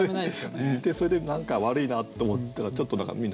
でそれで何か悪いなと思ったらちょっとみんなね